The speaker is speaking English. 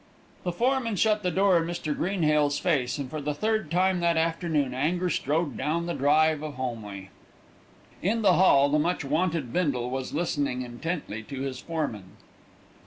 The foreman shut the door in Mr. Greenhales' face, and for the third time that afternoon anger strode down the drive of Holmleigh. In the hall the much wanted Bindle was listening intently to his foreman.